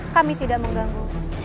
kami tidak mengganggu